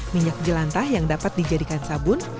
minyak jelantah yang dapat dijadikan sabun